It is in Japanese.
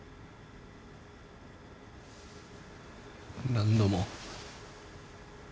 何度も。